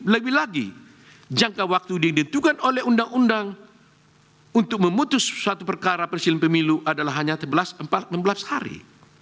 lagi lagi jangka waktu yang ditentukan oleh undang undang untuk memutus suatu perkara persilihan pemilu adalah hanya enam belas hari